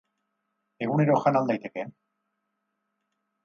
Egunero jan al daiteke?